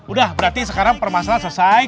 udah berarti sekarang permasalahan selesai